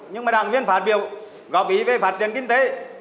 nhưng mà đảng viên phát biểu góp ý về phát triển kinh tế